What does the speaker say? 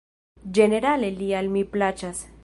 Ĝenerale li al mi plaĉas.